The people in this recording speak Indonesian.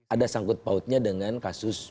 ada sanggut pautnya dengan kasus pln